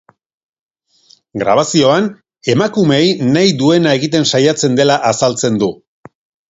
Grabazioan, emakumeei nahi duena egiten saiatzen dela azaltzen du.